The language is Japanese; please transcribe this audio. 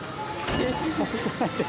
え？